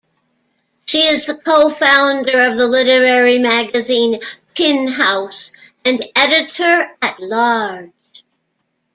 She is the co-founder of the literary magazine "Tin House" and Editor-at-Large.